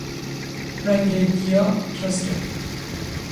Rengê giya kesk e